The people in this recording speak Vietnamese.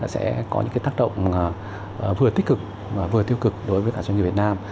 sẽ có những tác động vừa tích cực và vừa tiêu cực đối với cả doanh nghiệp việt nam